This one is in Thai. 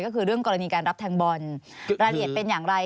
ก็คือเรื่องกรณีการรับแทงบอลรายละเอียดเป็นอย่างไร